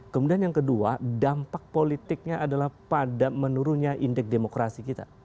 kemudian yang kedua dampak politiknya adalah pada menurunnya indeks demokrasi kita